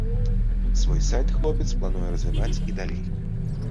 Свой сайт хлопец плануе развіваць і далей.